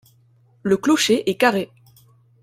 Le clocher est carré.